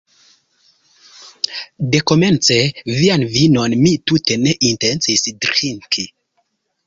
Dekomence vian vinon mi tute ne intencis drinki!